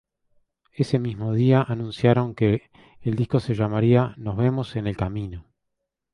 Ese mismo día anunciaron que el disco se llamaría ""Nos vemos en el camino"".